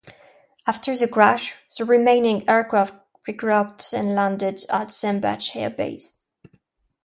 After the crash, the remaining aircraft regrouped and landed at Sembach Air Base.